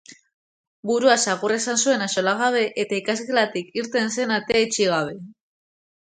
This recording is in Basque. Buruaz agur esan zuen axolagabe eta ikasgelatik irten zen atea itxi gabe.